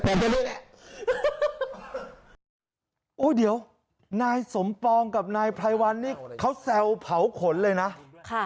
แต่นี่แหละโอ้เดี๋ยวนายสมปองกับนายไพรวัลนี่เขาแซวเผาขนเลยนะค่ะ